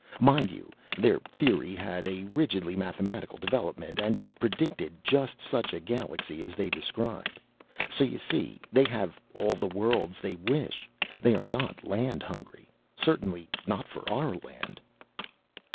Mind you, their theory had a rigidly mathematical development and it predicted just such a Galaxy as they describe. So you see, they have all the worlds they wish. They are not land hungry. Certainly not for our land."